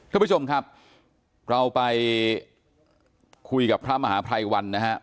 ท่านผู้ชมครับเราไปคุยกับพระมหาภัยวันนะฮะ